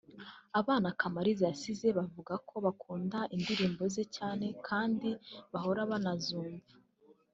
Abana Kamaliza yasize bavuga ko bakunda indirimbo ze cyane kandi bahora banazumva